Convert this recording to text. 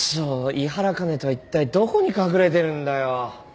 井原香音人はいったいどこに隠れてるんだよ！